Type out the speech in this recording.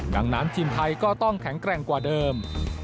ดังนั้นทีมไทยก็ต้องแข็งแกร่งกว่าเดิม